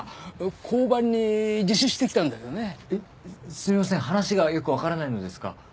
すいません話がよく分からないのですが。